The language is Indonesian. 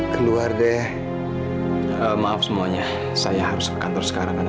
sampai jumpa di video selanjutnya